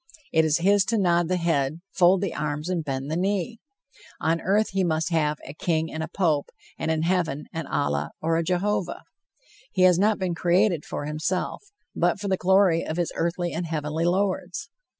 It is his to nod the head, fold the arms and bend the knee. On earth he must have a king and a pope, and in heaven an Allah or a Jehovah. He has not been created for himself, but for the glory of his earthly and heavenly Lords.